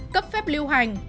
cấp phép lưu hành